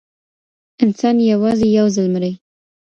انسان یوازې یو ځل مري.